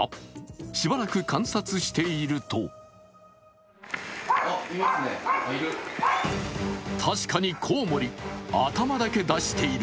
しばらく観察していると確かにコウモリ、頭だけ出している。